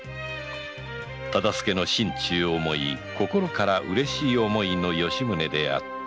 忠相の心中を思い心から嬉しい思いの吉宗であった